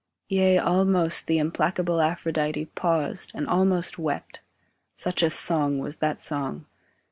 Yea, almost the implacable Aphrodite Paused, and almost wept; such a song was that song.